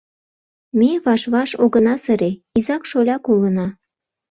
Ме ваш-ваш огына сыре — изак-шоляк улына.